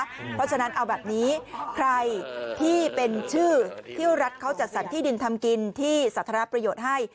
เพราะฉะนั้นเอาแบบนี้ใครที่เป็นชื่อที่รัฐเขาจัดสรรที่ดินทำกินที่สาธารณประโยชน์ให้